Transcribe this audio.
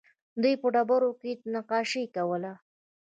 دوی په ډبرو کې نقاشي کوله